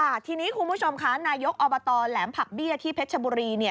ทีนี้คุณผู้ชมค่ะนายกอบตแหลมผักเบี้ยที่เพชรชบุรี